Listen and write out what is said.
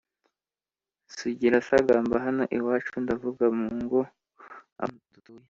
Sugira sagamba hano iwacu Ndavuga mu ngo aho dutuye,